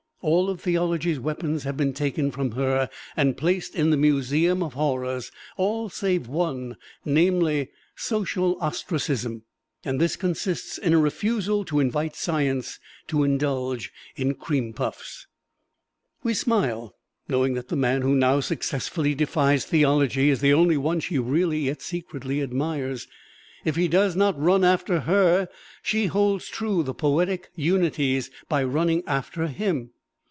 All of theology's weapons have been taken from her and placed in the Museum of Horrors all save one, namely, social ostracism. And this consists in a refusal to invite Science to indulge in cream puffs. We smile, knowing that the man who now successfully defies theology is the only one she really, yet secretly, admires. If he does not run after her, she holds true the poetic unities by running after him.